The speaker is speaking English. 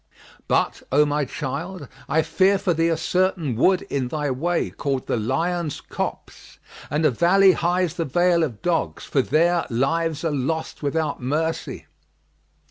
But, O my child, I fear for thee a certain wood in thy way, called the Lion's Copse,[FN#39] and a valley highs the Vale of Dogs, for there lives are lost without mercy."